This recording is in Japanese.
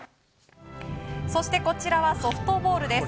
こちらはソフトボールです。